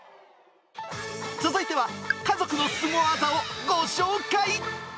続いては、家族のスゴ技をご紹介。